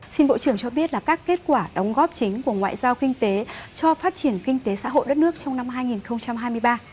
xin bộ trưởng cho biết là các kết quả đóng góp chính của ngoại giao kinh tế cho phát triển kinh tế xã hội đất nước trong năm hai nghìn hai mươi ba